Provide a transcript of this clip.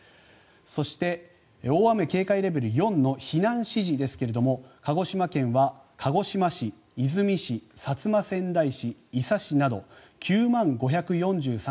そして大雨警戒レベル４の避難指示ですけれども鹿児島県は鹿児島市、出水市薩摩川内市、伊佐市など９万５４３